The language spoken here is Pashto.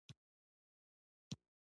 وړانګې د ماريا د بيولو مخالفت وکړ.